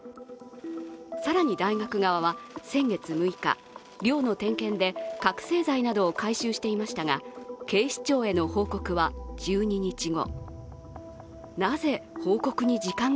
更に大学側は先月６日、寮の点検で覚醒剤などを回収していましたが警視庁への報告は１２日後。